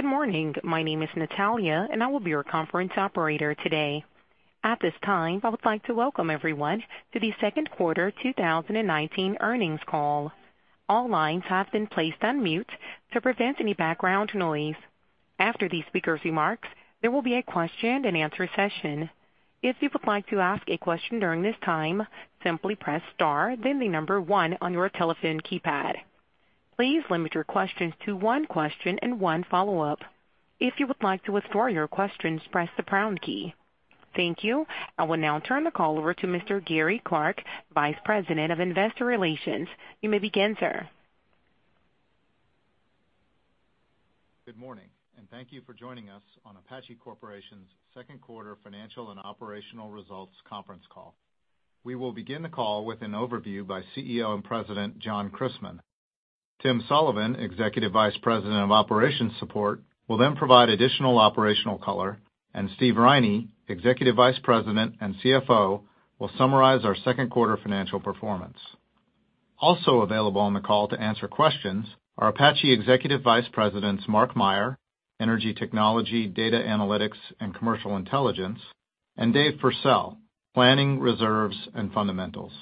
Good morning. My name is Natalia, and I will be your conference operator today. At this time, I would like to welcome everyone to the second quarter 2019 earnings call. All lines have been placed on mute to prevent any background noise. After the speaker's remarks, there will be a question and answer session. If you would like to ask a question during this time, simply press star then the number one on your telephone keypad. Please limit your questions to one question and one follow-up. If you would like to withdraw your questions, press the pound key. Thank you. I will now turn the call over to Mr. Gary Clark, Vice President of Investor Relations. You may begin, sir. Good morning, and thank you for joining us on Apache Corporation's second quarter financial and operational results conference call. We will begin the call with an overview by CEO and President, John Christmann. Tim Sullivan, Executive Vice President of Operations Support, will then provide additional operational color, and Steve Riney, Executive Vice President and CFO, will summarize our second quarter financial performance. Also available on the call to answer questions are Apache Executive Vice Presidents Mark Meyer, Energy Technology, Data Analytics, and Commercial Intelligence, and Dave Pursell, Planning, Reserves, and Fundamentals.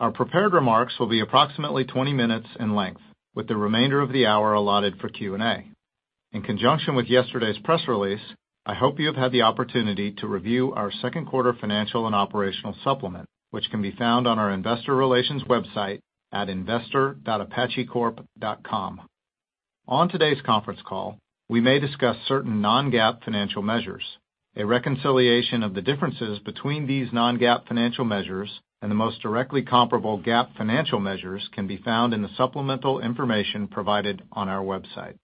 Our prepared remarks will be approximately 20 minutes in length, with the remainder of the hour allotted for Q&A. In conjunction with yesterday's press release, I hope you have had the opportunity to review our second quarter financial and operational supplement, which can be found on our investor relations website at investor.apachecorp.com. On today's conference call, we may discuss certain non-GAAP financial measures. A reconciliation of the differences between these non-GAAP financial measures and the most directly comparable GAAP financial measures can be found in the supplemental information provided on our website.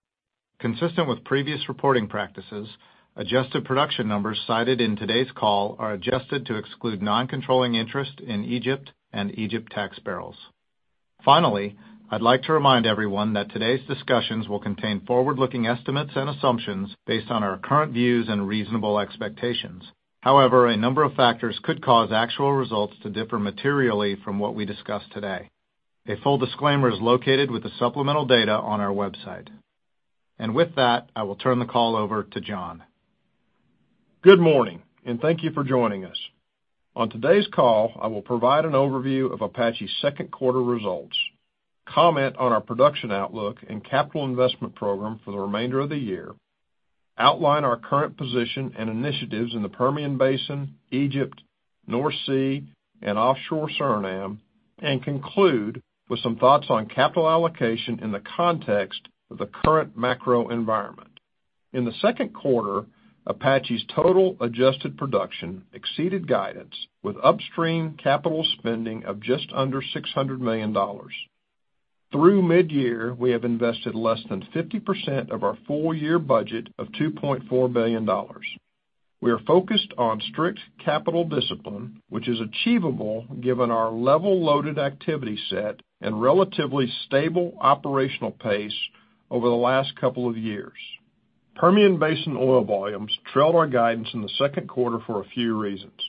Consistent with previous reporting practices, adjusted production numbers cited in today's call are adjusted to exclude non-controlling interest in Egypt and Egypt tax barrels. Finally, I'd like to remind everyone that today's discussions will contain forward-looking estimates and assumptions based on our current views and reasonable expectations. However, a number of factors could cause actual results to differ materially from what we discuss today. A full disclaimer is located with the supplemental data on our website. With that, I will turn the call over to John. Good morning, and thank you for joining us. On today's call, I will provide an overview of Apache's second quarter results, comment on our production outlook and capital investment program for the remainder of the year, outline our current position and initiatives in the Permian Basin, Egypt, North Sea, and offshore Suriname, and conclude with some thoughts on capital allocation in the context of the current macro environment. In the second quarter, Apache's total adjusted production exceeded guidance with upstream capital spending of just under $600 million. Through midyear, we have invested less than 50% of our full-year budget of $2.4 billion. We are focused on strict capital discipline, which is achievable given our level loaded activity set and relatively stable operational pace over the last couple of years. Permian Basin oil volumes trailed our guidance in the second quarter for a few reasons.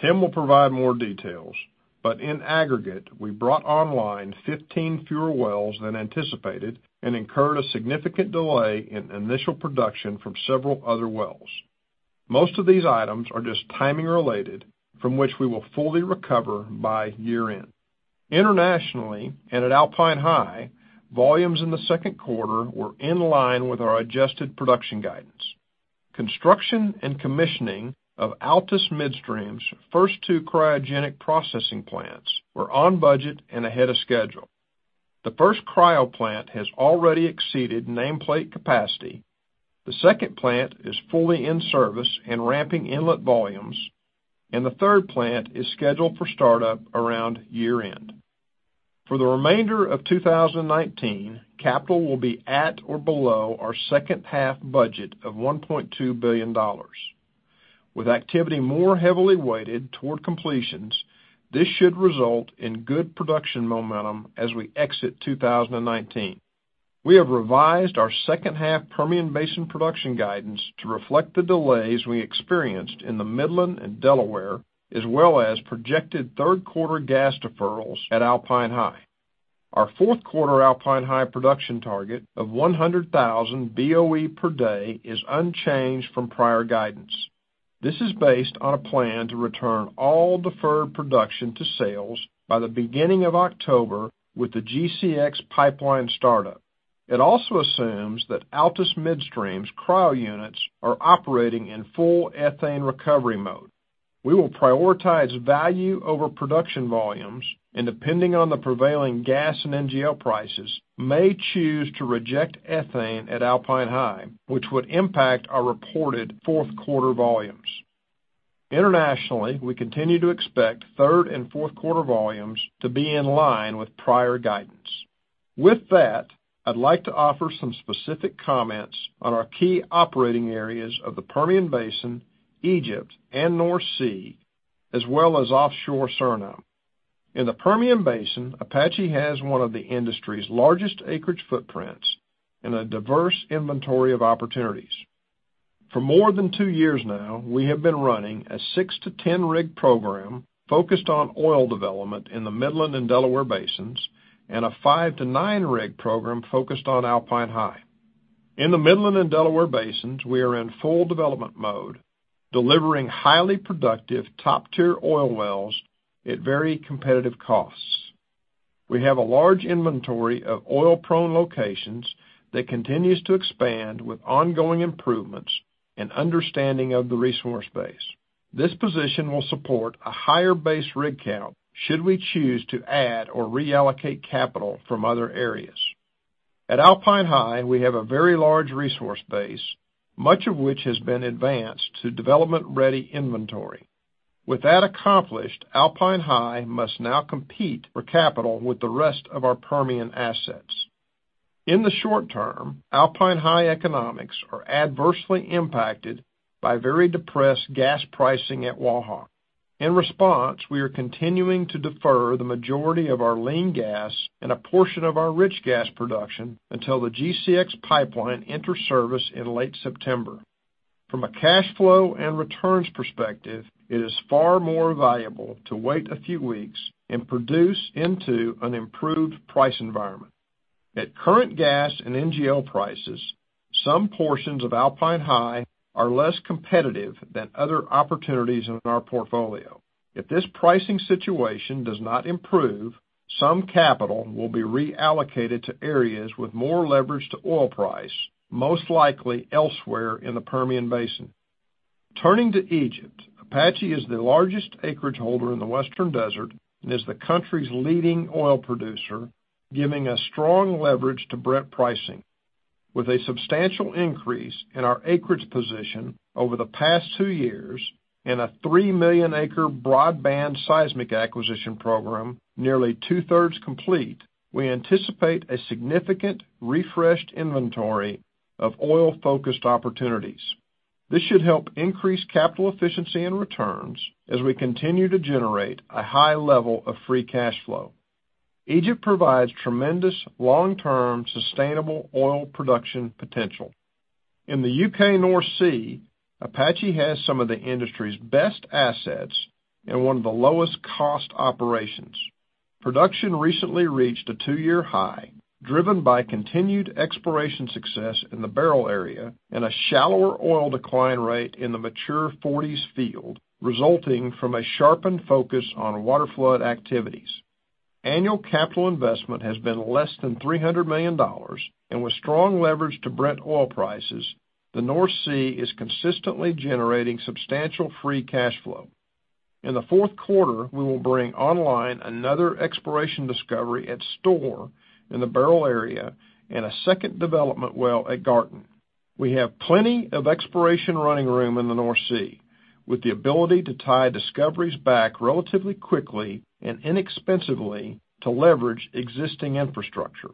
Tim will provide more details, but in aggregate, we brought online 15 fewer wells than anticipated and incurred a significant delay in initial production from several other wells. Most of these items are just timing related from which we will fully recover by year-end. Internationally and at Alpine High, volumes in the second quarter were in line with our adjusted production guidance. Construction and commissioning of Altus Midstream's first two cryogenic processing plants were on budget and ahead of schedule. The first cryo plant has already exceeded nameplate capacity. The second plant is fully in service and ramping inlet volumes, and the third plant is scheduled for startup around year-end. For the remainder of 2019, capital will be at or below our second-half budget of $1.2 billion. With activity more heavily weighted toward completions, this should result in good production momentum as we exit 2019. We have revised our second half Permian Basin production guidance to reflect the delays we experienced in the Midland and Delaware, as well as projected third-quarter gas deferrals at Alpine High. Our fourth quarter Alpine High production target of 100,000 BOE per day is unchanged from prior guidance. This is based on a plan to return all deferred production to sales by the beginning of October with the GCX pipeline startup. It also assumes that Altus Midstream's cryo units are operating in full ethane recovery mode. We will prioritize value over production volumes and, depending on the prevailing gas and NGL prices, may choose to reject ethane at Alpine High, which would impact our reported fourth-quarter volumes. Internationally, we continue to expect third and fourth quarter volumes to be in line with prior guidance. With that, I'd like to offer some specific comments on our key operating areas of the Permian Basin, Egypt, and North Sea, as well as offshore Suriname. In the Permian Basin, Apache has one of the industry's largest acreage footprints and a diverse inventory of opportunities. For more than two years now, we have been running a six to 10-rig program focused on oil development in the Midland and Delaware Basins, and a five to nine-rig program focused on Alpine High. In the Midland and Delaware Basins, we are in full development mode, delivering highly productive top-tier oil wells at very competitive costs. We have a large inventory of oil-prone locations that continues to expand with ongoing improvements and understanding of the resource base. This position will support a higher base rig count should we choose to add or reallocate capital from other areas. At Alpine High, we have a very large resource base, much of which has been advanced to development-ready inventory. With that accomplished, Alpine High must now compete for capital with the rest of our Permian assets. In the short term, Alpine High economics are adversely impacted by very depressed gas pricing at Waha. In response, we are continuing to defer the majority of our lean gas and a portion of our rich gas production until the GCX pipeline enters service in late September. From a cash flow and returns perspective, it is far more valuable to wait a few weeks and produce into an improved price environment. At current gas and NGL prices, some portions of Alpine High are less competitive than other opportunities in our portfolio. If this pricing situation does not improve, some capital will be reallocated to areas with more leverage to oil price, most likely elsewhere in the Permian Basin. Turning to Egypt, Apache is the largest acreage holder in the Western Desert and is the country's leading oil producer, giving a strong leverage to Brent pricing. With a substantial increase in our acreage position over the past two years and a three million acre broadband seismic acquisition program nearly two-thirds complete, we anticipate a significant refreshed inventory of oil-focused opportunities. This should help increase capital efficiency and returns as we continue to generate a high level of free cash flow. Egypt provides tremendous long-term sustainable oil production potential. In the U.K. North Sea, Apache has some of the industry's best assets and one of the lowest cost operations. Production recently reached a two-year high, driven by continued exploration success in the Beryl area and a shallower oil decline rate in the mature Forties field, resulting from a sharpened focus on water flood activities. Annual capital investment has been less than $300 million. With strong leverage to Brent oil prices, the North Sea is consistently generating substantial free cash flow. In the fourth quarter, we will bring online another exploration discovery at Storr in the Beryl area and a second development well at Garten. We have plenty of exploration running room in the North Sea, with the ability to tie discoveries back relatively quickly and inexpensively to leverage existing infrastructure.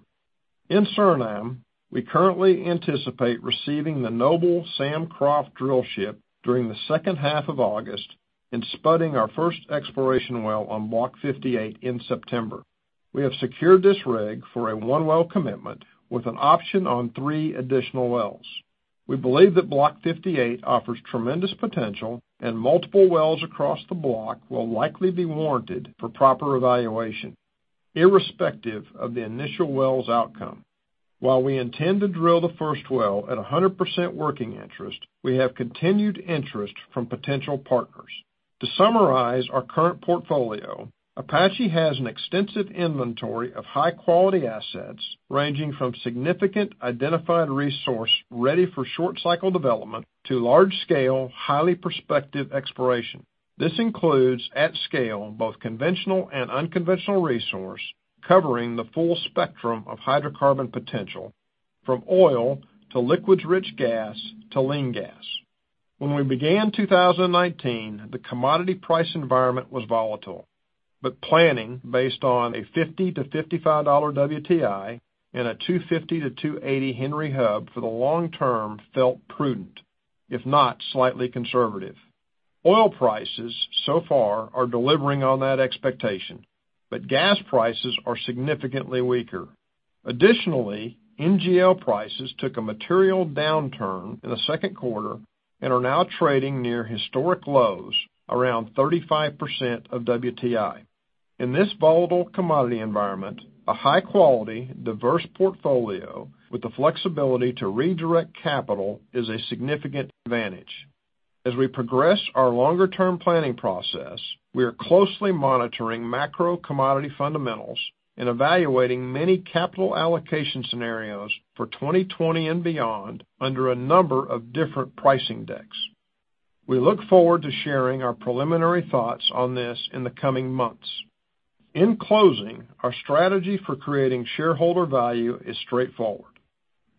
In Suriname, we currently anticipate receiving the Noble Sam Croft drillship during the second half of August and spudding our first exploration well on Block 58 in September. We have secured this rig for a 1-well commitment with an option on three additional wells. We believe that Block 58 offers tremendous potential, and multiple wells across the block will likely be warranted for proper evaluation, irrespective of the initial well's outcome. While we intend to drill the first well at 100% working interest, we have continued interest from potential partners. To summarize our current portfolio, Apache has an extensive inventory of high-quality assets ranging from significant identified resource ready for short-cycle development to large-scale, highly prospective exploration. This includes, at scale, both conventional and unconventional resource, covering the full spectrum of hydrocarbon potential, from oil to liquids-rich gas to lean gas. When we began 2019, the commodity price environment was volatile, but planning based on a $50-$55 WTI and a 250-280 Henry Hub for the long term felt prudent, if not slightly conservative. Oil prices so far are delivering on that expectation, but gas prices are significantly weaker. Additionally, NGL prices took a material downturn in the second quarter and are now trading near historic lows, around 35% of WTI. In this volatile commodity environment, a high-quality, diverse portfolio with the flexibility to redirect capital is a significant advantage. As we progress our longer-term planning process, we are closely monitoring macro commodity fundamentals and evaluating many capital allocation scenarios for 2020 and beyond under a number of different pricing decks. We look forward to sharing our preliminary thoughts on this in the coming months. In closing, our strategy for creating shareholder value is straightforward.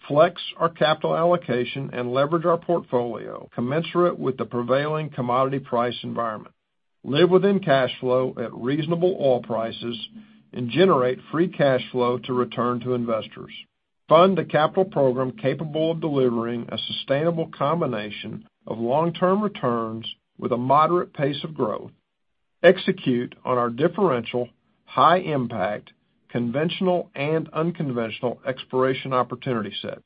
Flex our capital allocation and leverage our portfolio commensurate with the prevailing commodity price environment. Live within cash flow at reasonable oil prices and generate free cash flow to return to investors. Fund a capital program capable of delivering a sustainable combination of long-term returns with a moderate pace of growth. Execute on our differential, high-impact, conventional and unconventional exploration opportunity set.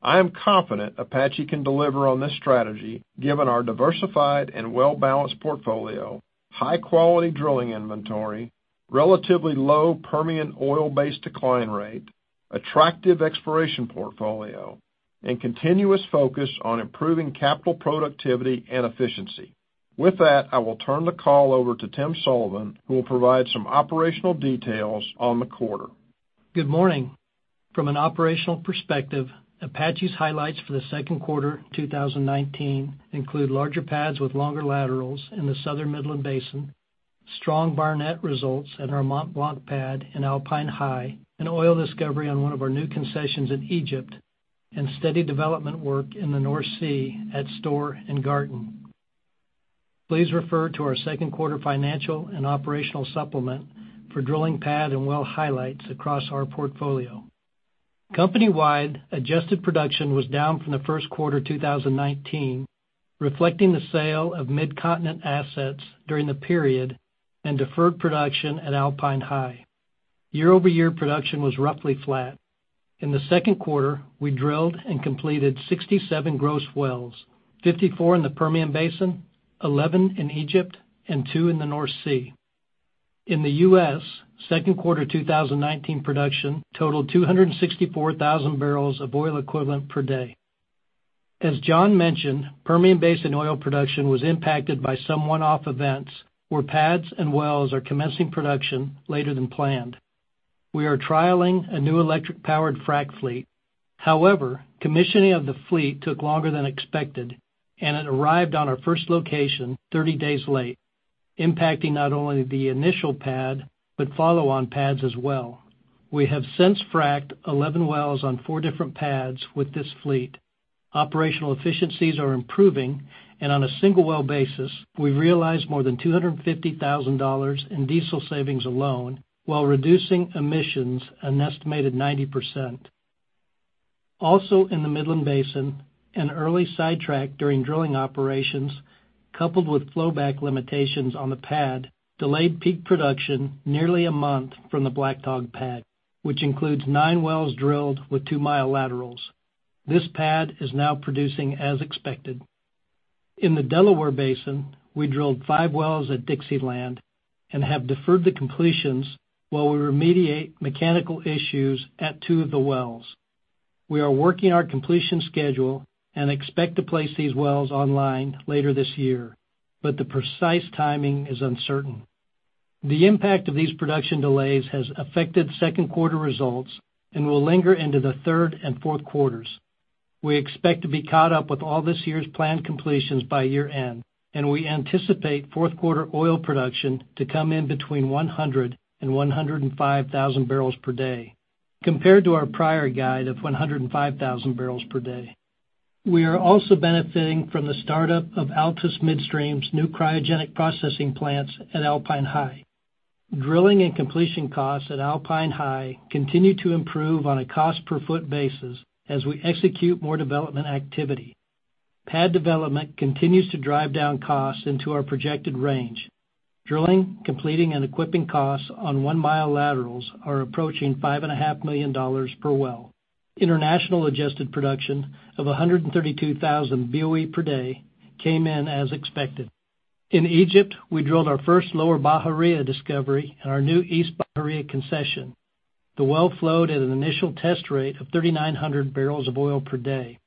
I am confident Apache can deliver on this strategy given our diversified and well-balanced portfolio, high-quality drilling inventory, relatively low Permian oil base decline rate, attractive exploration portfolio, and continuous focus on improving capital productivity and efficiency. With that, I will turn the call over to Tim Sullivan, who will provide some operational details on the quarter. Good morning. From an operational perspective, Apache's highlights for the second quarter 2019 include larger pads with longer laterals in the Southern Midland Basin, strong Barnett results at our Mont Blanc pad in Alpine High, an oil discovery on one of our new concessions in Egypt, and steady development work in the North Sea at Storr and Garten. Please refer to our second quarter financial and operational supplement for drilling pad and well highlights across our portfolio. Company-wide adjusted production was down from the first quarter 2019, reflecting the sale of Midcontinent assets during the period and deferred production at Alpine High. Year-over-year production was roughly flat. In the second quarter, we drilled and completed 67 gross wells, 54 in the Permian Basin, 11 in Egypt, and two in the North Sea. In the U.S., second quarter 2019 production totaled 264,000 barrels of oil equivalent per day. As John mentioned, Permian Basin oil production was impacted by some one-off events where pads and wells are commencing production later than planned. We are trialing a new electric-powered frac fleet. However, commissioning of the fleet took longer than expected, and it arrived on our first location 30 days late, impacting not only the initial pad, but follow-on pads as well. We have since fracked 11 wells on four different pads with this fleet. Operational efficiencies are improving, and on a single well basis, we've realized more than $250,000 in diesel savings alone while reducing emissions an estimated 90%. Also in the Midland Basin, an early sidetrack during drilling operations, coupled with flow back limitations on the pad, delayed peak production nearly a month from the Black Dog pad, which includes nine wells drilled with two-mile laterals. This pad is now producing as expected. In the Delaware Basin, we drilled five wells at Dixieland and have deferred the completions while we remediate mechanical issues at two of the wells. We are working our completion schedule and expect to place these wells online later this year, but the precise timing is uncertain. The impact of these production delays has affected second quarter results and will linger into the third and fourth quarters. We expect to be caught up with all this year's planned completions by year-end, and we anticipate fourth quarter oil production to come in between 100,000 and 105,000 barrels per day, compared to our prior guide of 105,000 barrels per day. We are also benefiting from the startup of Altus Midstream's new cryogenic processing plants at Alpine High. Drilling and completion costs at Alpine High continue to improve on a cost-per-foot basis as we execute more development activity. Pad development continues to drive down costs into our projected range. Drilling, completing, and equipping costs on one-mile laterals are approaching $5.5 million per well. International adjusted production of 132,000 BOE per day came in as expected. In Egypt, we drilled our first Lower Bahariya discovery in our new East Bahariya concession. The well flowed at an initial test rate of 3,900 barrels of oil per day.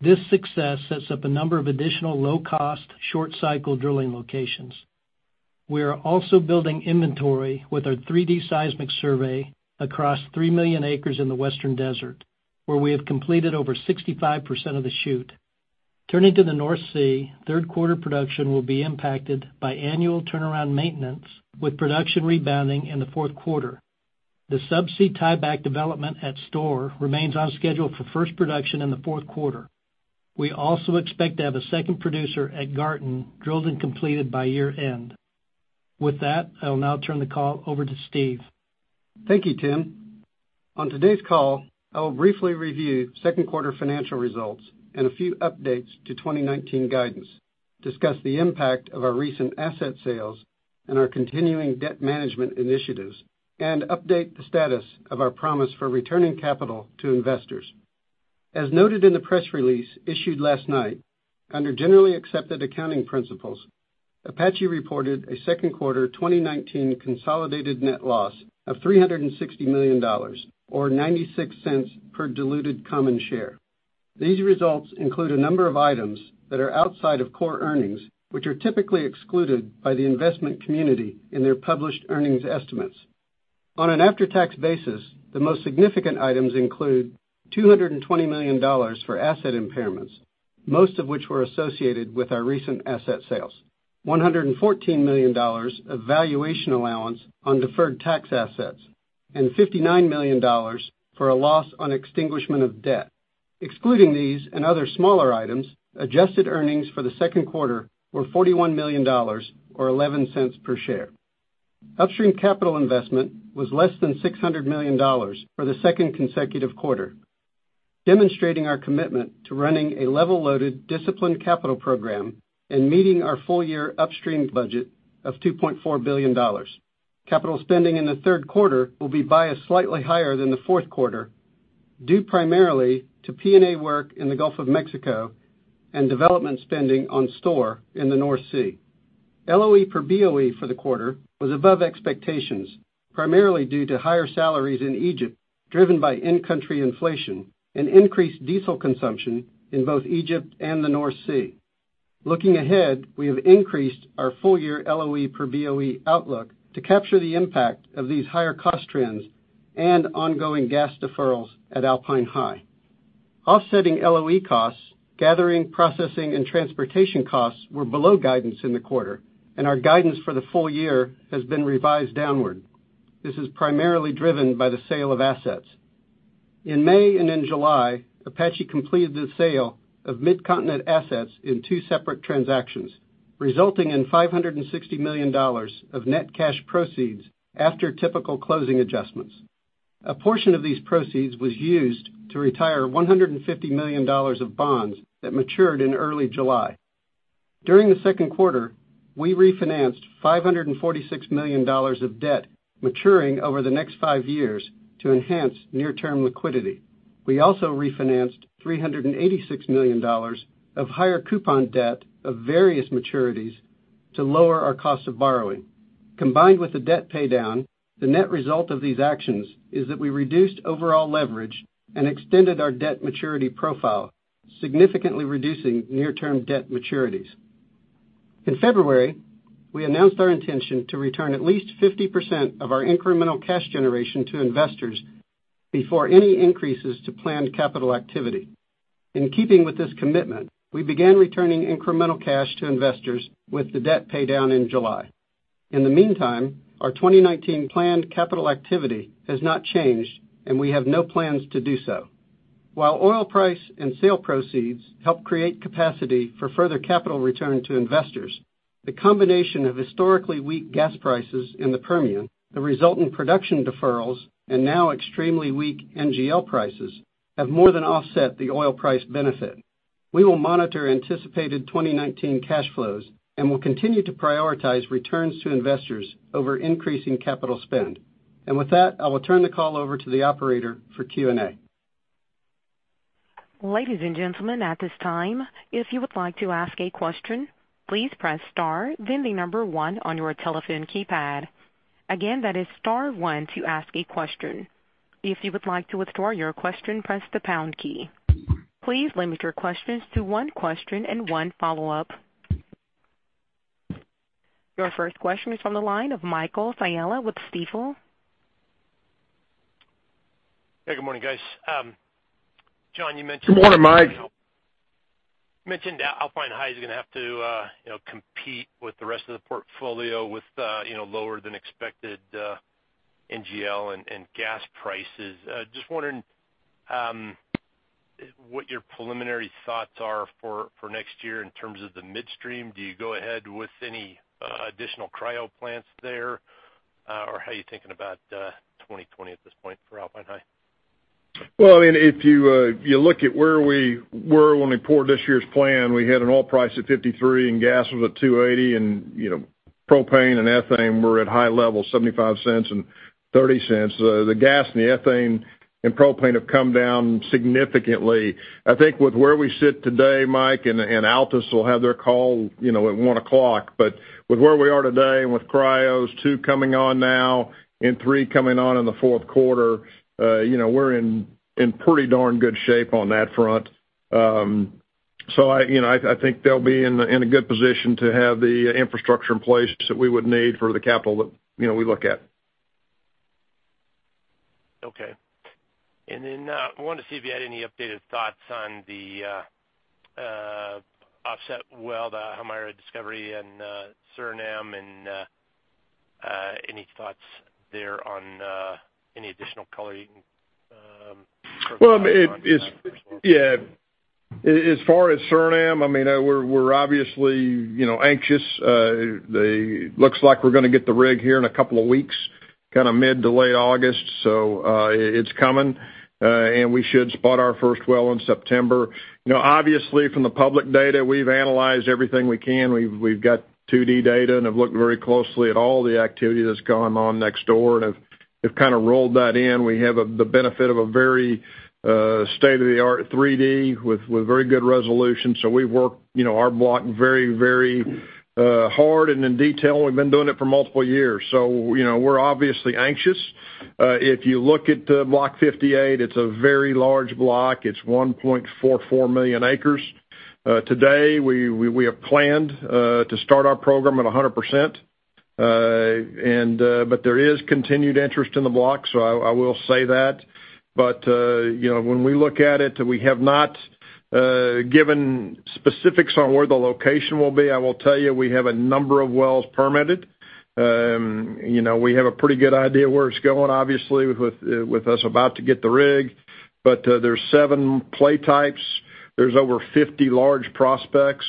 This success sets up a number of additional low-cost, short-cycle drilling locations. We are also building inventory with our 3D seismic survey across 3 million acres in the Western Desert, where we have completed over 65% of the chute. Turning to the North Sea, third quarter production will be impacted by annual turnaround maintenance, with production rebounding in the fourth quarter. The sub-sea tieback development at Storr remains on schedule for first production in the fourth quarter. We also expect to have a second producer at Garten drilled and completed by year-end. With that, I will now turn the call over to Steve. Thank you, Tim. On today's call, I will briefly review second quarter financial results and a few updates to 2019 guidance, discuss the impact of our recent asset sales and our continuing debt management initiatives, and update the status of our promise for returning capital to investors. As noted in the press release issued last night, under Generally Accepted Accounting Principles, Apache reported a second quarter 2019 consolidated net loss of $360 million, or $0.96 per diluted common share. These results include a number of items that are outside of core earnings, which are typically excluded by the investment community in their published earnings estimates. On an after-tax basis, the most significant items include $220 million for asset impairments, most of which were associated with our recent asset sales. $114 million of valuation allowance on deferred tax assets, and $59 million for a loss on extinguishment of debt. Excluding these and other smaller items, adjusted earnings for the second quarter were $41 million, or $0.11 per share. Upstream capital investment was less than $600 million for the second consecutive quarter. Demonstrating our commitment to running a level-loaded, disciplined capital program and meeting our full-year upstream budget of $2.4 billion. Capital spending in the third quarter will be biased slightly higher than the fourth quarter, due primarily to P&A work in the Gulf of Mexico and development spending on Storr in the North Sea. LOE per BOE for the quarter was above expectations, primarily due to higher salaries in Egypt, driven by in-country inflation and increased diesel consumption in both Egypt and the North Sea. Looking ahead, we have increased our full-year LOE per BOE outlook to capture the impact of these higher cost trends and ongoing gas deferrals at Alpine High. Offsetting LOE costs, gathering, processing, and transportation costs were below guidance in the quarter, and our guidance for the full year has been revised downward. This is primarily driven by the sale of assets. In May and in July, Apache completed the sale of Midcontinent assets in two separate transactions, resulting in $560 million of net cash proceeds after typical closing adjustments. A portion of these proceeds was used to retire $150 million of bonds that matured in early July. During the second quarter, we refinanced $546 million of debt maturing over the next five years to enhance near-term liquidity. We also refinanced $386 million of higher coupon debt of various maturities to lower our cost of borrowing. Combined with the debt paydown, the net result of these actions is that we reduced overall leverage and extended our debt maturity profile, significantly reducing near-term debt maturities. In February, we announced our intention to return at least 50% of our incremental cash generation to investors before any increases to planned capital activity. In keeping with this commitment, we began returning incremental cash to investors with the debt paydown in July. In the meantime, our 2019 planned capital activity has not changed, and we have no plans to do so. While oil price and sale proceeds help create capacity for further capital return to investors, the combination of historically weak gas prices in the Permian, the resultant production deferrals, and now extremely weak NGL prices, have more than offset the oil price benefit. We will monitor anticipated 2019 cash flows and will continue to prioritize returns to investors over increasing capital spend. With that, I will turn the call over to the operator for Q&A. Ladies and gentlemen, at this time, if you would like to ask a question, please press star, then the number 1 on your telephone keypad. Again, that is star 1 to ask a question. If you would like to withdraw your question, press the pound key. Please limit your questions to 1 question and 1 follow-up. Your first question is from the line of Michael Scialla with Stifel. Hey, good morning, guys. John, you mentioned- Good morning, Mike. mentioned Alpine High is going to have to compete with the rest of the portfolio with lower than expected NGL and gas prices. Just wondering what your preliminary thoughts are for next year in terms of the midstream. Do you go ahead with any additional cryo plants there? How are you thinking about 2020 at this point for Alpine High? Well, if you look at where we were when we pored this year's plan, we had an oil price at $53 and gas was at $2.80, and propane and ethane were at high levels, $0.75 and $0.30. The gas and the ethane and propane have come down significantly. I think with where we sit today, Mike, and Altus will have their call at 1:00 P.M., but with where we are today and with cryos 2 coming on now and 3 coming on in the fourth quarter, we're in pretty darn good shape on that front. I think they'll be in a good position to have the infrastructure in place that we would need for the capital that we look at. Okay. I wanted to see if you had any updated thoughts on the offset well, the Haimara discovery in Suriname, and any thoughts there on any additional color you can provide on Suriname? Yeah. As far as Suriname, we're obviously anxious. Looks like we're going to get the rig here in a couple of weeks, mid to late August. It's coming. We should spot our first well in September. Obviously, from the public data, we've analyzed everything we can. We've got 2D data and have looked very closely at all the activity that's gone on next door and have kind of rolled that in. We have the benefit of a very state-of-the-art 3D with very good resolution. We've worked our block very hard and in detail, and we've been doing it for multiple years. We're obviously anxious. If you look at Block 58, it's a very large block. It's 1.44 million acres. Today, we have planned to start our program at 100%, but there is continued interest in the block, so I will say that. When we look at it, we have not given specifics on where the location will be. I will tell you, we have a number of wells permitted. We have a pretty good idea where it's going, obviously, with us about to get the rig. There's 7 play types. There's over 50 large prospects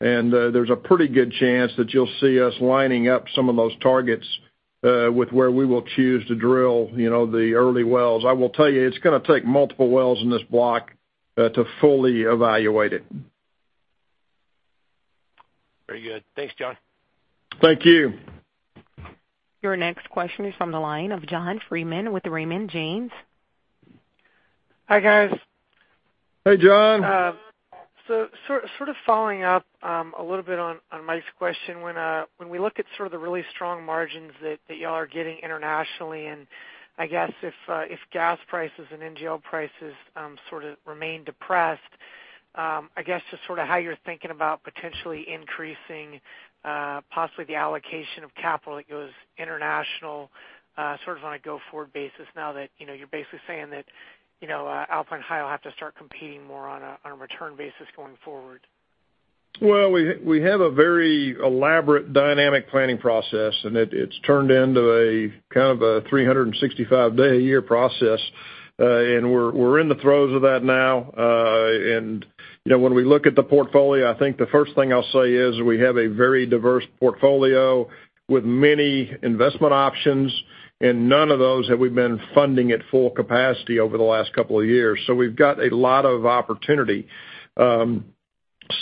There's a pretty good chance that you'll see us lining up some of those targets with where we will choose to drill the early wells. I will tell you, it's going to take multiple wells in this block to fully evaluate it. Very good. Thanks, John. Thank you. Your next question is from the line of John Freeman with Raymond James. Hi, guys. Hey, John. Following up a little bit on Mike's question, when we look at the really strong margins that you all are getting internationally, and if gas prices and NGL prices remain depressed, just how you're thinking about potentially increasing possibly the allocation of capital that goes international on a go-forward basis now that you're basically saying that Alpine High will have to start competing more on a return basis going forward? Well, we have a very elaborate dynamic planning process, and it's turned into a 365-day a year process. We're in the throes of that now. When we look at the portfolio, I think the first thing I'll say is we have a very diverse portfolio with many investment options, and none of those have we been funding at full capacity over the last couple of years. We've got a lot of opportunity.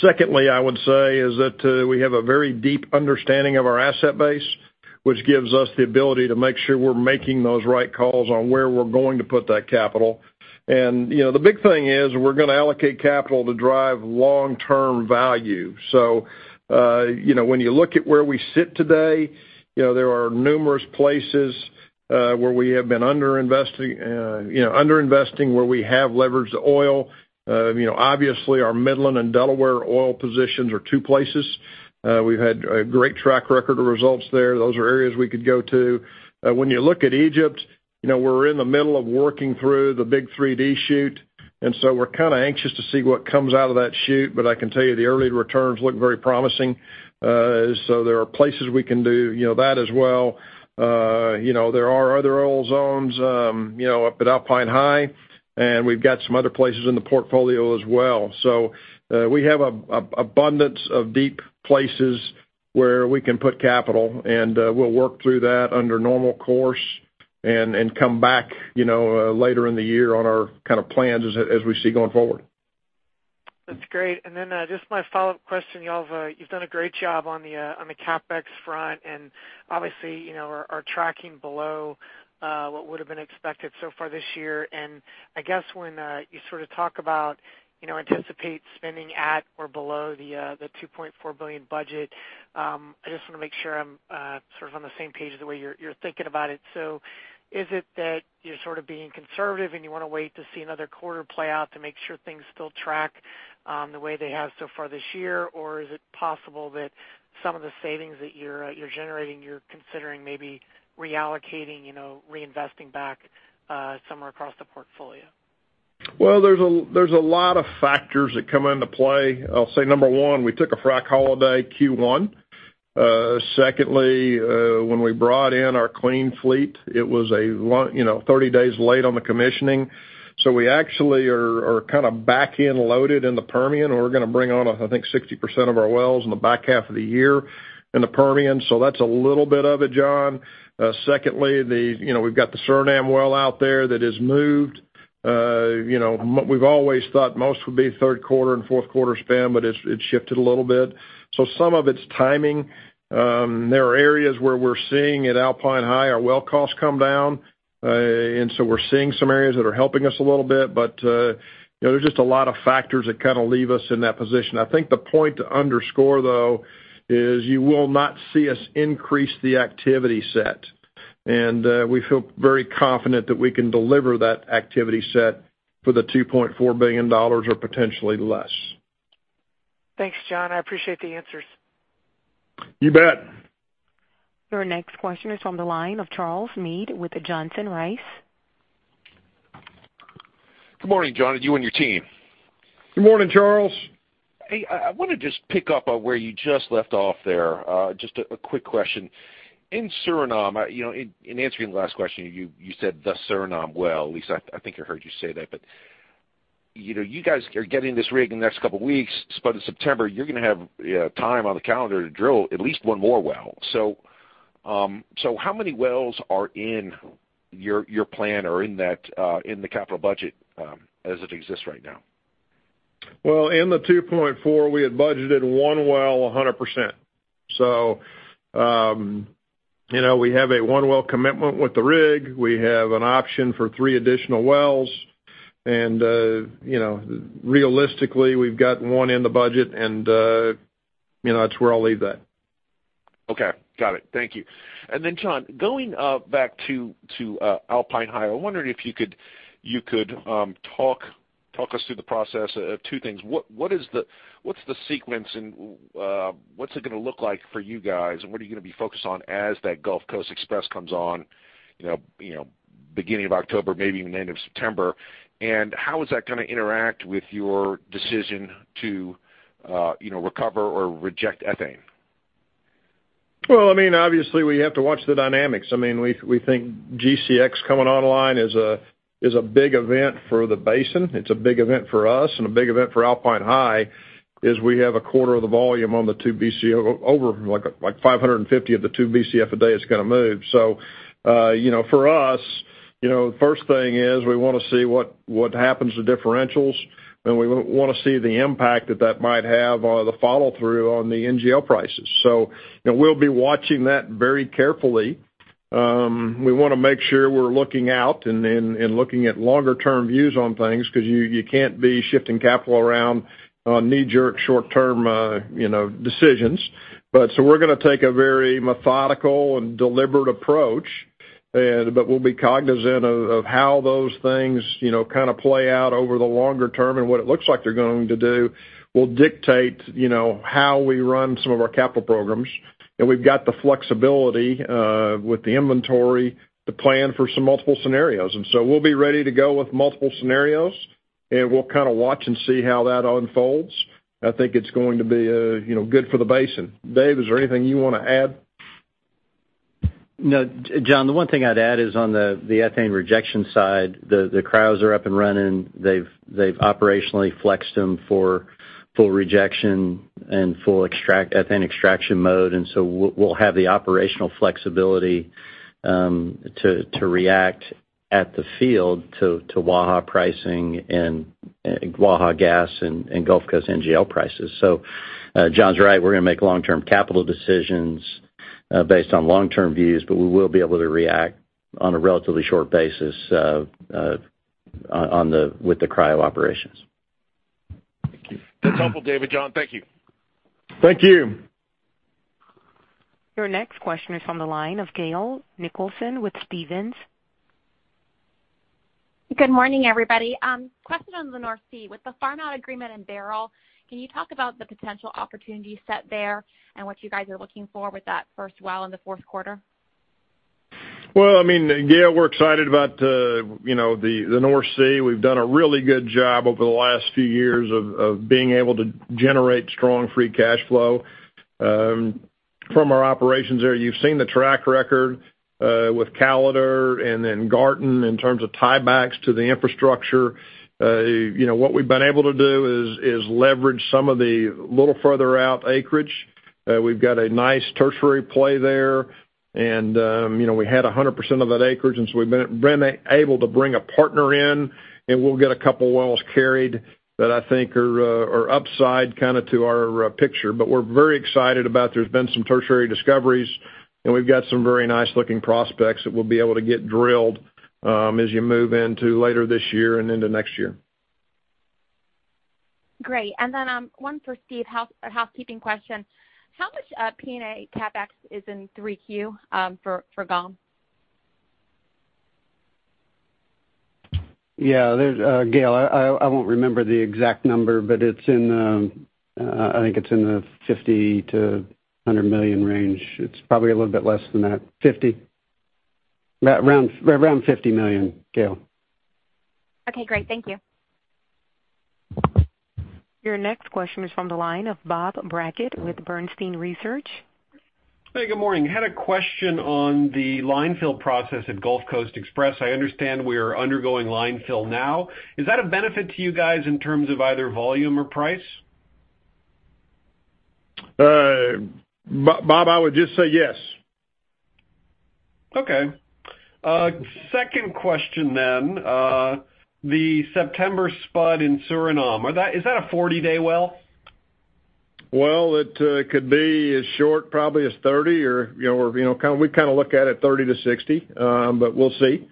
Secondly, I would say is that we have a very deep understanding of our asset base, which gives us the ability to make sure we're making those right calls on where we're going to put that capital. The big thing is we're going to allocate capital to drive long-term value. When you look at where we sit today, there are numerous places where we have been under-investing where we have leveraged oil. Obviously, our Midland and Delaware oil positions are two places. We've had a great track record of results there. Those are areas we could go to. When you look at Egypt, we're in the middle of working through the big 3D shoot, we're anxious to see what comes out of that shoot. I can tell you the early returns look very promising. There are places we can do that as well. There are other oil zones up at Alpine High, we've got some other places in the portfolio as well. We have an abundance of deep places where we can put capital, we'll work through that under normal course and come back later in the year on our plans as we see going forward. That's great. Then just my follow-up question. You've done a great job on the CapEx front and obviously are tracking below what would've been expected so far this year. I guess when you talk about anticipate spending at or below the $2.4 billion budget, I just want to make sure I'm on the same page the way you're thinking about it. Is it that you're being conservative, and you want to wait to see another quarter play out to make sure things still track the way they have so far this year? Or is it possible that some of the savings that you're generating, you're considering maybe reallocating, reinvesting back somewhere across the portfolio? Well, there's a lot of factors that come into play. I'll say, number one, we took a frac holiday Q1. When we brought in our clean fleet, it was 30 days late on the commissioning. We actually are back-end loaded in the Permian, and we're going to bring on, I think, 60% of our wells in the back half of the year in the Permian. That's a little bit of it, John. We've got the Suriname well out there that has moved. We've always thought most would be third quarter and fourth quarter spend, it shifted a little bit. Some of it's timing. There are areas where we're seeing at Alpine High our well costs come down. We're seeing some areas that are helping us a little bit, there's just a lot of factors that leave us in that position. I think the point to underscore, though, is you will not see us increase the activity set. We feel very confident that we can deliver that activity set for the $2.4 billion or potentially less. Thanks, John. I appreciate the answers. You bet. Your next question is from the line of Charles Meade with Johnson Rice. Good morning, John, and you and your team. Good morning, Charles. Hey, I want to just pick up on where you just left off there. Just a quick question. In Suriname, in answering the last question, you said the Suriname well, at least I think I heard you say that. You guys are getting this rig in the next couple of weeks. By the September, you're going to have time on the calendar to drill at least one more well. How many wells are in your plan or in the capital budget as it exists right now? Well, in the 2.4, we had budgeted one well 100%. We have a one well commitment with the rig. We have an option for three additional wells. Realistically, we've got one in the budget and that's where I'll leave that. Okay. Got it. Thank you. John, going back to Alpine High, I wondered if you could talk us through the process of two things. What's the sequence and what's it going to look like for you guys, and what are you going to be focused on as that Gulf Coast Express comes on beginning of October, maybe even the end of September? How is that going to interact with your decision to recover or reject ethane? Well, obviously, we have to watch the dynamics. We think GCX coming online is a big event for the basin. It's a big event for us and a big event for Alpine High, as we have a quarter of the volume on the 2 Bcf Over 550 of the 2 Bcf a day is going to move. For us, the first thing is we want to see what happens to differentials, and we want to see the impact that that might have on the follow-through on the NGL prices. We'll be watching that very carefully. We want to make sure we're looking out and looking at longer-term views on things, because you can't be shifting capital around on knee-jerk, short-term decisions. We're going to take a very methodical and deliberate approach, but we'll be cognizant of how those things play out over the longer term, and what it looks like they're going to do will dictate how we run some of our capital programs. We've got the flexibility, with the inventory, to plan for some multiple scenarios. We'll be ready to go with multiple scenarios, and we'll watch and see how that unfolds. I think it's going to be good for the basin. Dave, is there anything you want to add? No. John, the one thing I'd add is on the ethane rejection side, the cryos are up and running. They've operationally flexed them for full rejection and full ethane extraction mode, and so we'll have the operational flexibility to react at the field to Waha pricing and Waha gas and Gulf Coast NGL prices. John's right. We're going to make long-term capital decisions based on long-term views, but we will be able to react on a relatively short basis with the cryo operations. Thank you. That's helpful, Dave. John, thank you. Thank you. Your next question is on the line of Gail Nicholson with Stephens. Good morning, everybody. Question on the North Sea. With the farm out agreement in Beryl, can you talk about the potential opportunity set there and what you guys are looking for with that first well in the fourth quarter? Well, Gail, we're excited about the North Sea. We've done a really good job over the last few years of being able to generate strong free cash flow from our operations there. You've seen the track record with Callater and then Garten in terms of tiebacks to the infrastructure. What we've been able to do is leverage some of the little further out acreage. We've got a nice tertiary play there, and we had 100% of that acreage, and so we've been able to bring a partner in, and we'll get a couple wells carried that I think are upside to our picture. We're very excited about there's been some tertiary discoveries, and we've got some very nice-looking prospects that we'll be able to get drilled as you move into later this year and into next year. Great. One for Steve, a housekeeping question. How much P&A CapEx is in 3Q for Galeota? Gail, I won't remember the exact number, but I think it's in the $50 million-$100 million range. It's probably a little bit less than that. $50. Around $50 million, Gail. Okay, great. Thank you. Your next question is from the line of Bob Brackett with Bernstein Research. Hey, good morning. I had a question on the line fill process at Gulf Coast Express. I understand we are undergoing line fill now. Is that a benefit to you guys in terms of either volume or price? Bob, I would just say yes. Okay. Second question then. The September spud in Suriname. Is that a 40-day well? Well, it could be as short probably as 30, or we look at it 30-60. We'll see.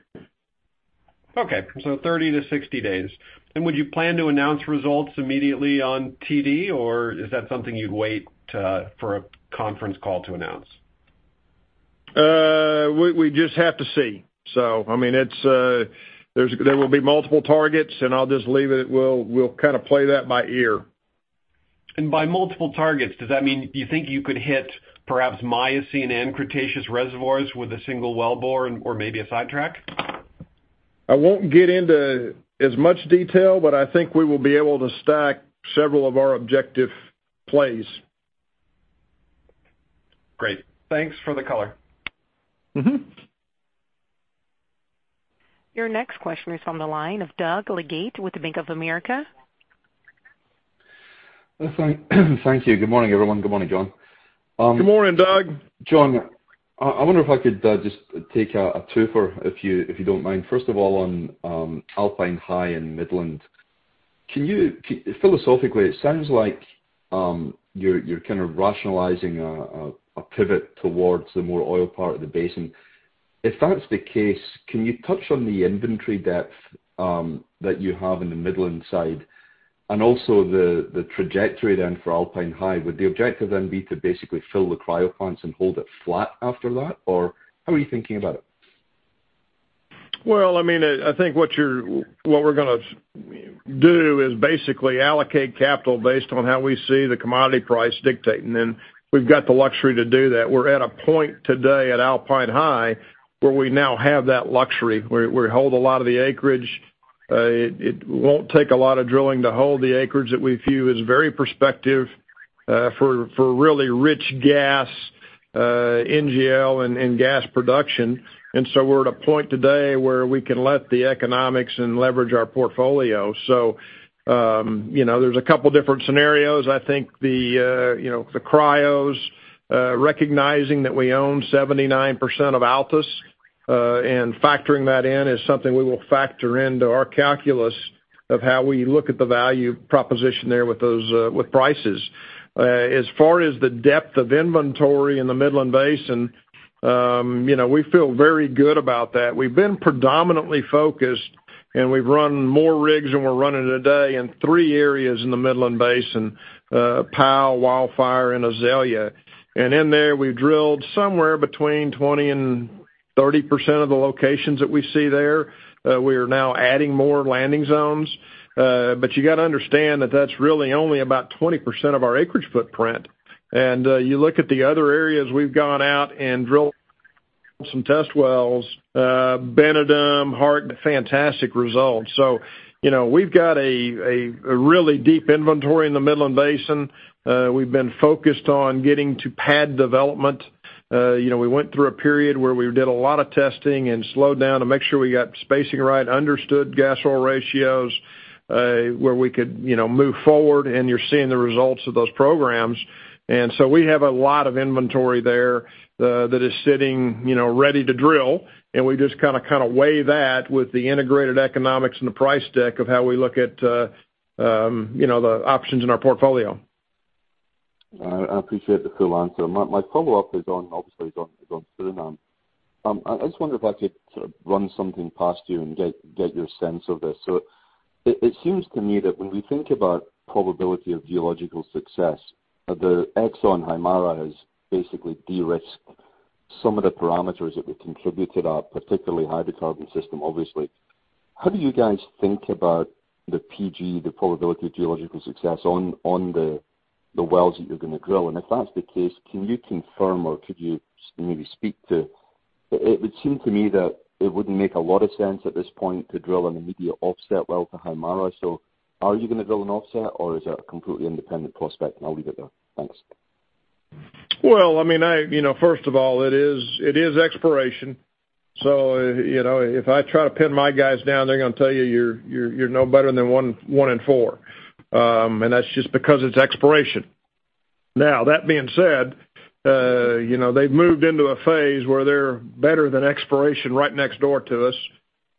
Okay. 30-60 days. Would you plan to announce results immediately on TD, or is that something you'd wait for a conference call to announce? We just have to see. There will be multiple targets, and I'll just leave it at we'll play that by ear. By multiple targets, does that mean you think you could hit perhaps Miocene and Cretaceous reservoirs with a single well bore or maybe a sidetrack? I won't get into as much detail, but I think we will be able to stack several of our objective plays. Great. Thanks for the color. Your next question is on the line of Doug Leggate with the Bank of America. Thank you. Good morning, everyone. Good morning, John. Good morning, Doug. John, I wonder if I could just take a twofer if you don't mind. First of all, on Alpine High and Midland. Philosophically, it sounds like you're rationalizing a pivot towards the more oil part of the basin. If that's the case, can you touch on the inventory depth that you have in the Midland side and also the trajectory then for Alpine High? Would the objective then be to basically fill the cryo plants and hold it flat after that? How are you thinking about it? Well, I think what we're going to do is basically allocate capital based on how we see the commodity price dictating, and we've got the luxury to do that. We're at a point today at Alpine High where we now have that luxury, where we hold a lot of the acreage. It won't take a lot of drilling to hold the acreage that we view as very prospective for really rich gas, NGL, and gas production. We're at a point today where we can let the economics and leverage our portfolio. There's a couple different scenarios. I think the cryos, recognizing that we own 79% of Altus, and factoring that in is something we will factor into our calculus of how we look at the value proposition there with prices. As far as the depth of inventory in the Midland Basin, we feel very good about that. We've been predominantly focused, and we've run more rigs than we're running today in three areas in the Midland Basin, Powell, Wildfire, and Azalea. In there, we've drilled somewhere between 20% and 30% of the locations that we see there. We are now adding more landing zones. You got to understand that that's really only about 20% of our acreage footprint. You look at the other areas we've gone out and drilled some test wells, Benedum, Hart, fantastic results. We've got a really deep inventory in the Midland Basin. We've been focused on getting to pad development. We went through a period where we did a lot of testing and slowed down to make sure we got the spacing right, understood gas oil ratios, where we could move forward, and you're seeing the results of those programs. We have a lot of inventory there that is sitting ready to drill, and we just kind of weigh that with the integrated economics and the price deck of how we look at the options in our portfolio. I appreciate the full answer. My follow-up is obviously on Suriname. I just wonder if I could run something past you and get your sense of this. It seems to me that when we think about probability of geological success, the Exxon Hammerhead has basically de-risked some of the parameters that would contribute to that, particularly hydrocarbon system, obviously. How do you guys think about the PG, the probability of geological success on the wells that you're going to drill? If that's the case, can you confirm or could you maybe speak to? It would seem to me that it wouldn't make a lot of sense at this point to drill an immediate offset well to Hammerhead. Are you going to drill an offset, or is that a completely independent prospect? I'll leave it there. Thanks. Well, first of all, it is exploration. If I try to pin my guys down, they're going to tell you you're no better than one in four. That's just because it's exploration. Now, that being said, they've moved into a phase where they're better than exploration right next door to us,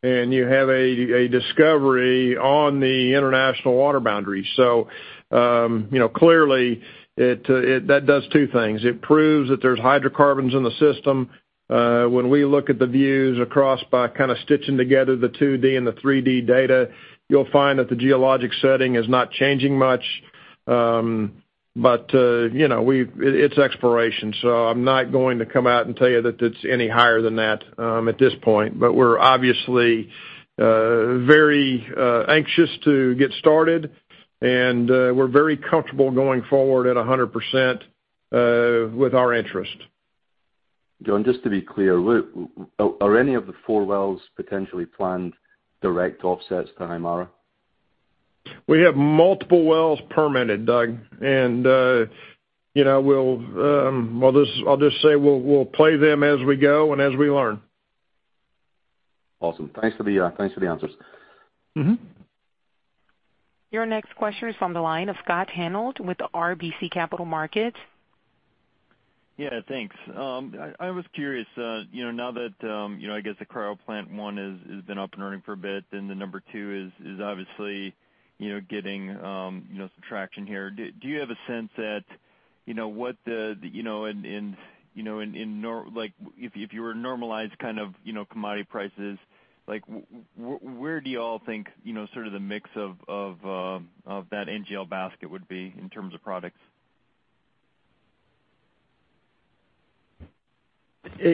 and you have a discovery on the international water boundary. Clearly, that does two things. It proves that there's hydrocarbons in the system. When we look at the views across by kind of stitching together the 2D and the 3D data, you'll find that the geologic setting is not changing much. It's exploration, so I'm not going to come out and tell you that it's any higher than that at this point. We're obviously very anxious to get started, and we're very comfortable going forward at 100% with our interest. John, just to be clear, are any of the four wells potentially planned direct offsets to Hammerhead? We have multiple wells permitted, Doug, and I'll just say we'll play them as we go and as we learn. Awesome. Thanks for the answers. Your next question is on the line of Scott Hanold with RBC Capital Markets. Yeah, thanks. I was curious, now that I guess the cryo plant 1 has been up and running for a bit, then the number 2 is obviously getting some traction here. Do you have a sense that, if you were to normalize commodity prices, where do you all think the mix of that NGL basket would be in terms of products?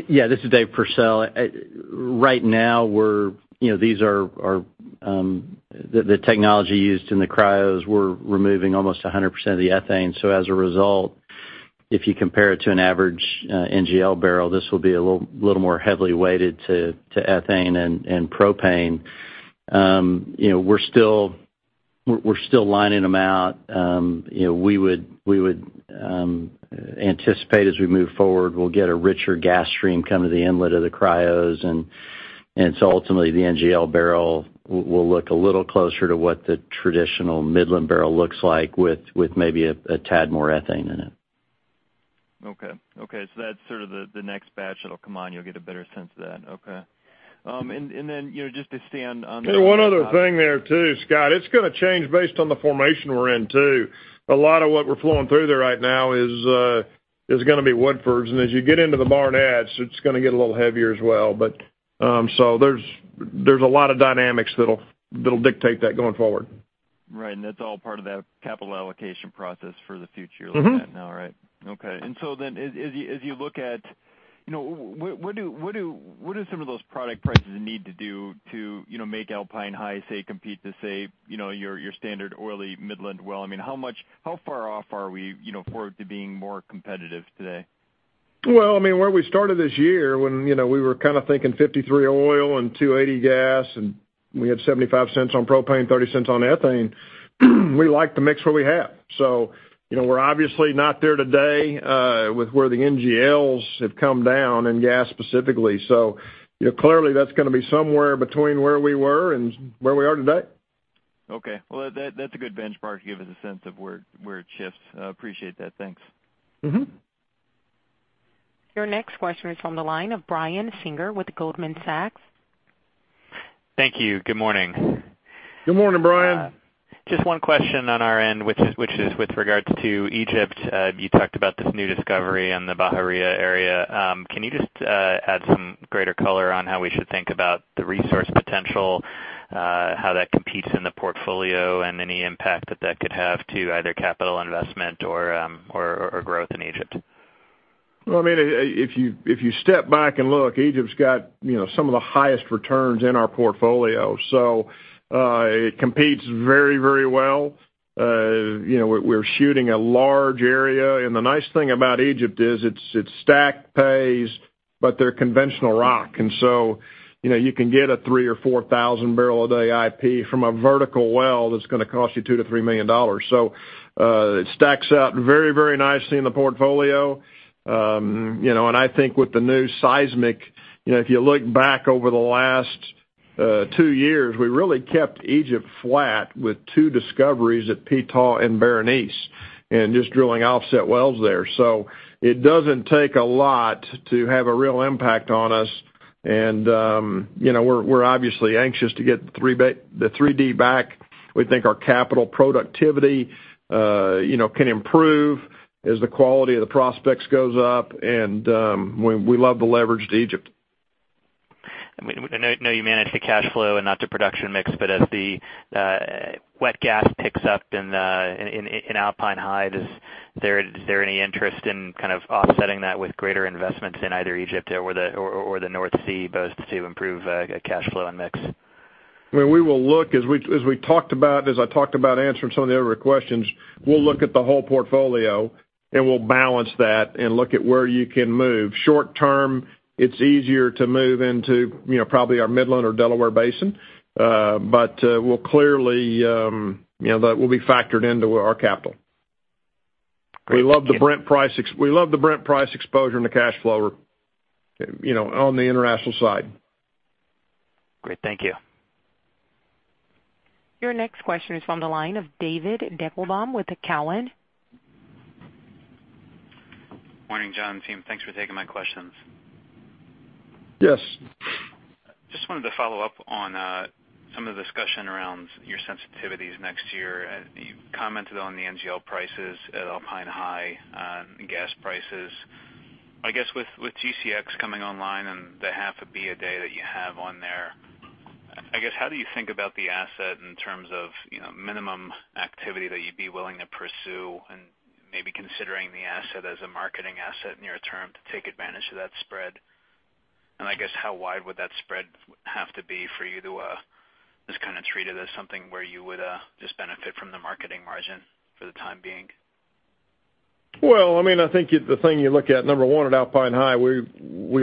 Yeah. This is Dave Pursell. Right now, the technology used in the cryos, we're removing almost 100% of the ethane. As a result, if you compare it to an average NGL barrel, this will be a little more heavily weighted to ethane and propane. We're still lining them out. We would anticipate as we move forward, we'll get a richer gas stream come to the inlet of the cryos, ultimately, the NGL barrel will look a little closer to what the traditional Midland barrel looks like with maybe a tad more ethane in it. Okay. That's sort of the next batch that'll come on. You'll get a better sense of that. Okay. One other thing there too, Scott. It's going to change based on the formation we're in, too. A lot of what we're flowing through there right now is going to be Woodford. As you get into the Barnett, it's going to get a little heavier as well. There's a lot of dynamics that'll dictate that going forward. Right. That's all part of that capital allocation process for the future. like that now, right? Okay. As you look at, what do some of those product prices need to do to make Alpine High, say, compete to, say, your standard oily Midland well? How far off are we forward to being more competitive today? Well, where we started this year, when we were thinking 53 oil and 280 gas, and we had $0.75 on propane, $0.30 on ethane, we like the mix where we have. We're obviously not there today with where the NGLs have come down, and gas specifically. Clearly, that's going to be somewhere between where we were and where we are today. Okay. Well, that's a good benchmark to give us a sense of where it shifts. I appreciate that. Thanks. Your next question is from the line of Brian Singer with Goldman Sachs. Thank you. Good morning. Good morning, Brian. Just one question on our end, which is with regards to Egypt. You talked about this new discovery in the Bahariya area. Can you just add some greater color on how we should think about the resource potential, how that competes in the portfolio, and any impact that that could have to either capital investment or growth in Egypt? Well, if you step back and look, Egypt's got some of the highest returns in our portfolio. It competes very well. We're shooting a large area. The nice thing about Egypt is its stack pays, but they're conventional rock. You can get a 3,000-4,000 barrel a day IP from a vertical well that's going to cost you $2 million-$3 million. It stacks out very nicely in the portfolio. I think with the new seismic, if you look back over the last 2 years, we really kept Egypt flat with 2 discoveries at Ptah and Berenice, and just drilling offset wells there. It doesn't take a lot to have a real impact on us. We're obviously anxious to get the 3D back. We think our capital productivity can improve as the quality of the prospects goes up. We love the leverage to Egypt. I know you manage the cash flow and not the production mix, but as the wet gas picks up in Alpine High, is there any interest in kind of offsetting that with greater investments in either Egypt or the North Sea, both to improve cash flow and mix? We will look, as I talked about answering some of the other questions, we'll look at the whole portfolio. We'll balance that and look at where you can move. Short term, it's easier to move into probably our Midland or Delaware Basin. That will be factored into our capital. Great. Thank you. We love the Brent price exposure and the cash flow on the international side. Great. Thank you. Your next question is from the line of David Deckelbaum with Cowen. Morning, John, team. Thanks for taking my questions. Yes. Just wanted to follow up on some of the discussion around your sensitivities next year. You commented on the NGL prices at Alpine High and gas prices. I guess with GCX coming online and the half a B a day that you have on there, I guess how do you think about the asset in terms of minimum activity that you'd be willing to pursue, and maybe considering the asset as a marketing asset near-term to take advantage of that spread? I guess how wide would that spread have to be for you to just kind of treat it as something where you would just benefit from the marketing margin for the time being? I think the thing you look at, number one, at Alpine High, we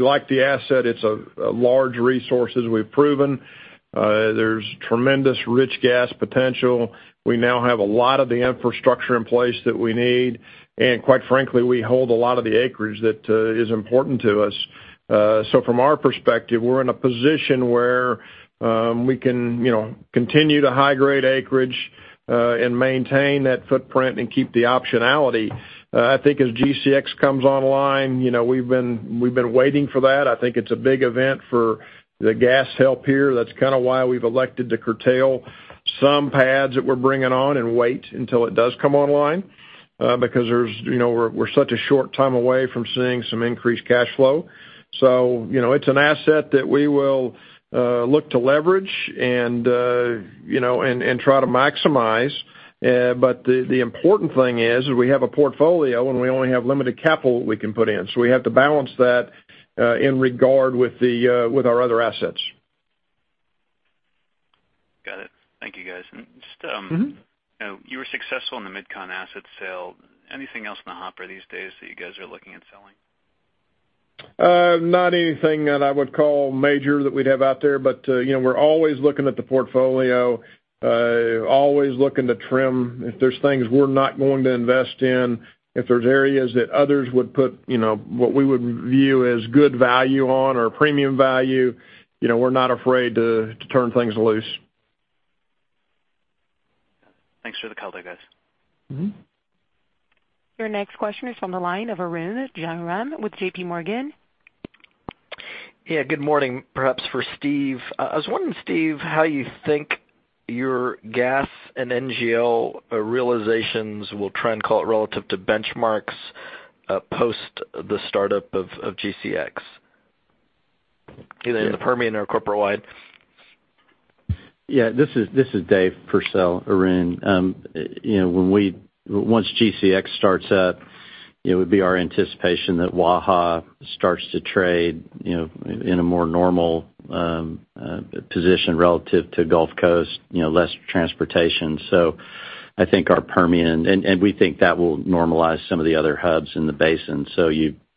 like the asset. It's a large resources we've proven. There's tremendous rich gas potential. We now have a lot of the infrastructure in place that we need. Quite frankly, we hold a lot of the acreage that is important to us. From our perspective, we're in a position where we can continue to high-grade acreage and maintain that footprint and keep the optionality. I think as GCX comes online, we've been waiting for that. I think it's a big event for the gas hub here. That's kind of why we've elected to curtail some pads that we're bringing on and wait until it does come online. Because we're such a short time away from seeing some increased cash flow. It's an asset that we will look to leverage and try to maximize. The important thing is we have a portfolio and we only have limited capital we can put in. We have to balance that in regard with our other assets. Got it. Thank you, guys. You were successful in the MidCon asset sale. Anything else in the hopper these days that you guys are looking at selling? Not anything that I would call major that we'd have out there. We're always looking at the portfolio, always looking to trim. If there's things we're not going to invest in, if there's areas that others would put what we would view as good value on or premium value, we're not afraid to turn things loose. Thanks for the color, guys. Your next question is from the line of Arun Jayaram with JPMorgan. Yeah. Good morning. Perhaps for Steve. I was wondering, Steve, how you think your gas and NGL realizations will trend call it relative to benchmarks post the startup of GCX? Either in the Permian or corporate-wide. Yeah. This is Dave Pursell, Arun. Once GCX starts up, it would be our anticipation that Waha starts to trade in a more normal position relative to Gulf Coast, less transportation. I think our Permian, and we think that will normalize some of the other hubs in the basin.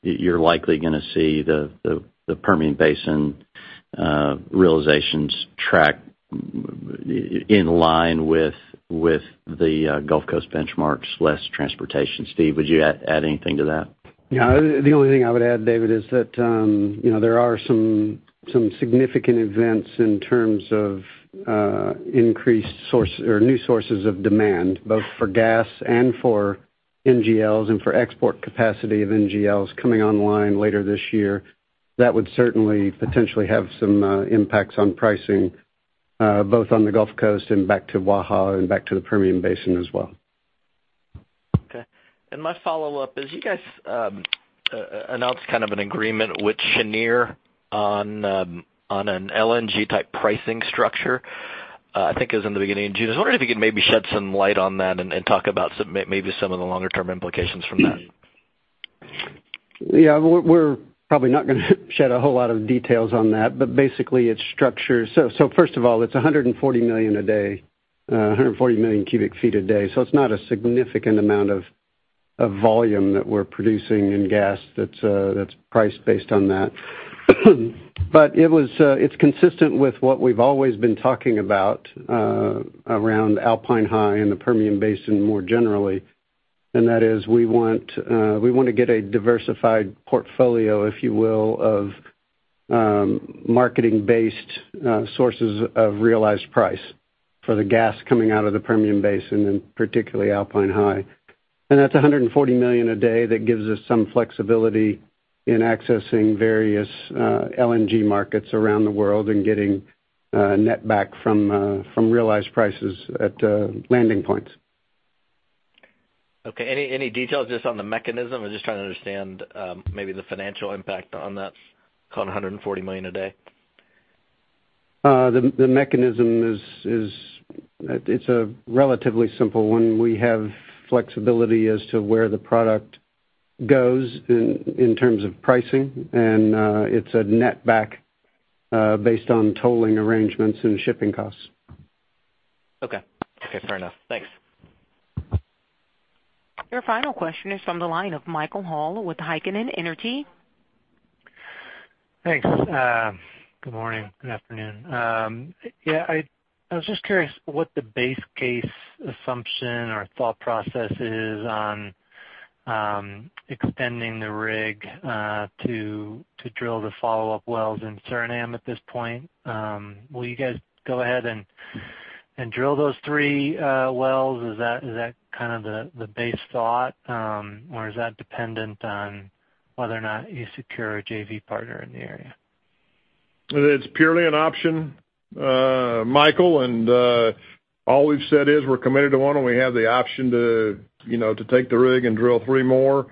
You're likely going to see the Permian Basin realizations track in line with the Gulf Coast benchmarks, less transportation. Steve, would you add anything to that? Yeah. The only thing I would add, David, is that there are some significant events in terms of increased source or new sources of demand, both for gas and for NGLs and for export capacity of NGLs coming online later this year. That would certainly potentially have some impacts on pricing, both on the Gulf Coast and back to Waha and back to the Permian Basin as well. Okay. My follow-up is you guys announced kind of an agreement with Cheniere on an LNG-type pricing structure. I think it was in the beginning of June. I was wondering if you could maybe shed some light on that and talk about maybe some of the longer-term implications from that. Yeah. We're probably not going to shed a whole lot of details on that, basically, it's 140 million a day, 140 million cubic feet a day. It's not a significant amount of volume that we're producing in gas that's priced based on that. It's consistent with what we've always been talking about around Alpine High and the Permian Basin more generally, and that is, we want to get a diversified portfolio, if you will, of marketing-based sources of realized price for the gas coming out of the Permian Basin and particularly Alpine High. That's 140 million a day that gives us some flexibility in accessing various LNG markets around the world and getting net back from realized prices at landing points. Okay. Any details just on the mechanism? I'm just trying to understand maybe the financial impact on that 140 million a day. The mechanism is a relatively simple one. We have flexibility as to where the product goes in terms of pricing, and it's a net back based on tolling arrangements and shipping costs. Okay. Fair enough. Thanks. Your final question is from the line of Michael Hall with Heikkinen Energy. Thanks. Good morning. Good afternoon. I was just curious what the base case assumption or thought process is on extending the rig to drill the follow-up wells in Suriname at this point. Will you guys go ahead and drill those three wells? Is that kind of the base thought? Is that dependent on whether or not you secure a JV partner in the area? It's purely an option, Michael, and all we've said is we're committed to one, and we have the option to take the rig and drill three more,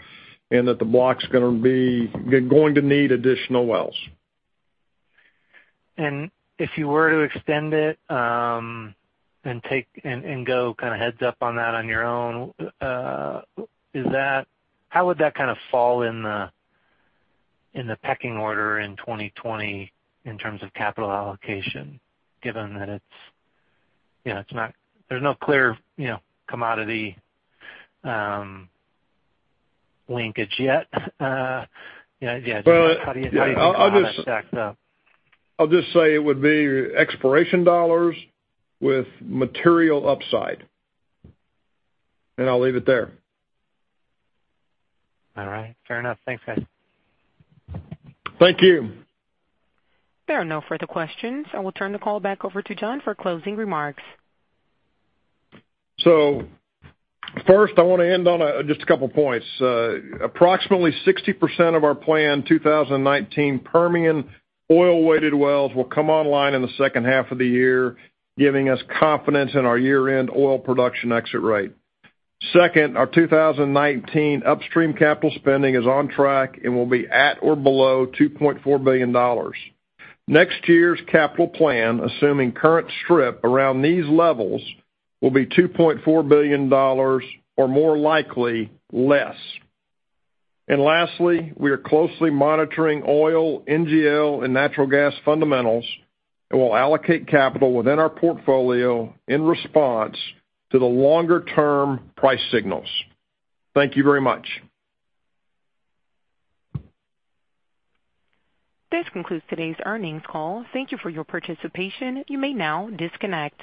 and that the block's going to need additional wells. If you were to extend it and go kind of heads up on that on your own, how would that kind of fall in the pecking order in 2020 in terms of capital allocation, given that there's no clear commodity linkage yet? How do you see how that stacks up? I'll just say it would be exploration dollars with material upside. I'll leave it there. All right. Fair enough. Thanks, guys. Thank you. There are no further questions. I will turn the call back over to John for closing remarks. First, I want to end on just a couple of points. Approximately 60% of our planned 2019 Permian oil-weighted wells will come online in the second half of the year, giving us confidence in our year-end oil production exit rate. Second, our 2019 upstream capital spending is on track and will be at or below $2.4 billion. Next year's capital plan, assuming current strip around these levels, will be $2.4 billion or more likely, less. Lastly, we are closely monitoring oil, NGL and natural gas fundamentals, and we'll allocate capital within our portfolio in response to the longer-term price signals. Thank you very much. This concludes today's earnings call. Thank you for your participation. You may now disconnect.